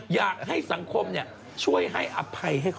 อยากให้สังคมช่วยให้อภัยให้เขา